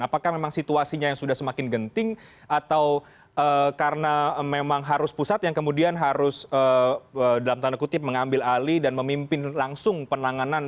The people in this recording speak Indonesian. apakah memang situasinya yang sudah semakin genting atau karena memang harus pusat yang kemudian harus dalam tanda kutip mengambil alih dan memimpin langsung penanganan